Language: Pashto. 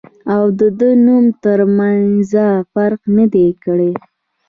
او د دۀ د نوم تر مېنځه فرق نۀ دی کړی